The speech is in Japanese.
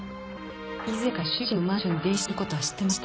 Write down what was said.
以前から主人のマンションに出入りしてることは知ってました。